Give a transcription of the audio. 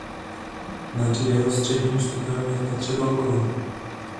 Nad jeho středním vstupem je v patře balkon.